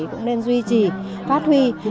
cũng nên duy trì phát huy